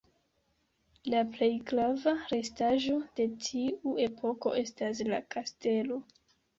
La plej grava restaĵo de tiu epoko estas la kastelo.